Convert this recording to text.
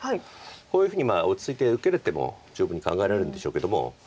こういうふうに落ち着いて受ける手も十分に考えられるんでしょうけども。